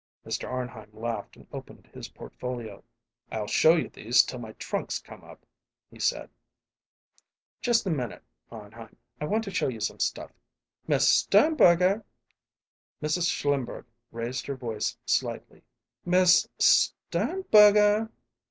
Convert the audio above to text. Mr. Arnheim laughed and opened his portfolio. "I'll show you these till my trunks come up," he said. "Just a minute, Arnheim. I want to show you some stuff Miss Sternberger!" Mrs. Schlimberg raised her voice slightly, "Miss Sternberger!"